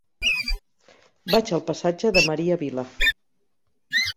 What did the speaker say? Vaig al passatge de Maria Vila.